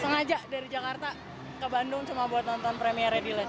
sengaja dari jakarta ke bandung cuma buat nonton premiernya dilance